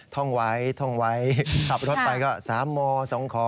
ท่องไว้ท่องไว้ขับรถไปก็๓ม๒ขอ